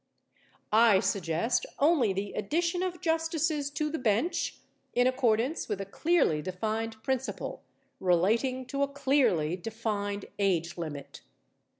I suggest only the addition of justices to the bench in accordance with a clearly defined principle relating to a clearly defined age limit.